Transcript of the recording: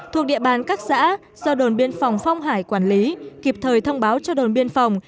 thuộc địa bàn các xã do đồn biên phòng phong hải quản lý kịp thời thông báo cho đồn biên phòng